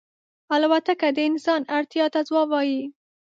الوتکه د انسان اړتیا ته ځواب وايي.